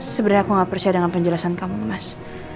sebenernya aku gak percaya dengan penjelasan kamu mas